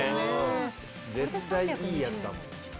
絶対いいやつだもん。